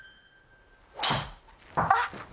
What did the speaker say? あっ！